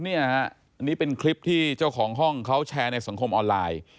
อันนี้เป็นคลิปที่เจ้าของห้องเขาแชร์ในสังคมออนไลน์